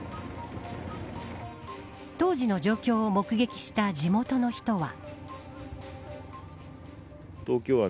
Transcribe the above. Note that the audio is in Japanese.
当時の状況を目撃した地元の人は。